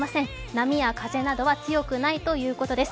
波や風などは強くないということです。